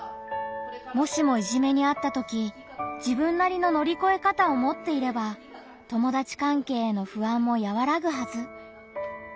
もしもいじめにあったとき自分なりの乗り越え方を持っていれば友達関係への不安もやわらぐはず。